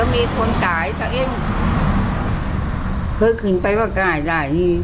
ไม่รู้ดิ